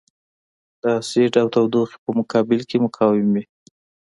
د اسید او تودوخې په مقابل کې مقاوم وي.